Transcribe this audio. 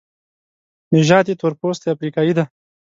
نژاد یې تورپوستی افریقایی دی.